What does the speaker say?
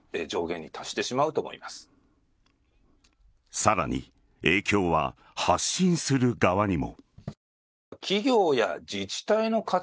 さらに影響は発信する側にも。